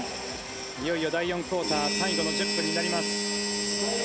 いよいよ第４クオーター最後の１０分になります。